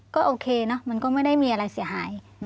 ก็โอเคเนอะมันก็ไม่ได้มีอะไรเสียหาย